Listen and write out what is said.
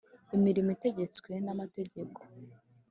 Imirimo itegetswe n ‘amategeko .